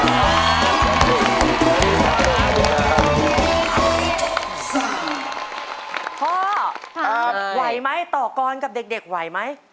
ซ่าพ่อเฉพาะเออไหวไหมต่อกรกับเด็กไหวไหม